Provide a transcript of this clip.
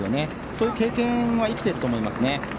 そういう経験は生きていると思いますね。